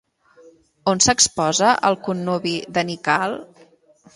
On s'exposa el connubi de Nikkal?